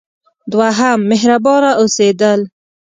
دوهم: مهربانه اوسیدل.